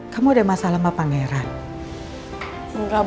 kamu udah lama udah anak faults ya